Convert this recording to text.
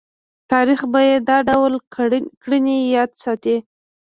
تاریخ به یې دا ډول کړنې یاد ساتي.